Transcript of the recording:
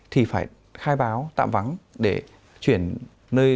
thì phải khai báo tạm vắng để chuyển nơi